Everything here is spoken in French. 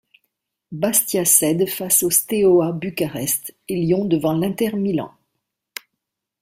Bastia cède face au Steaua Bucarest et Lyon devant l'Inter Milan.